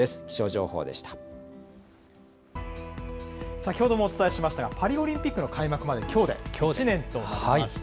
先ほどもお伝えしましたが、パリオリンピックの開幕まできょうで１年となりました。